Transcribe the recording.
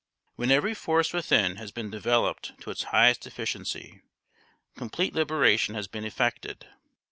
When every force within has been developed to its highest efficiency, complete liberation has been effected.